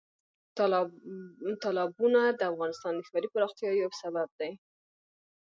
تالابونه د افغانستان د ښاري پراختیا یو سبب دی.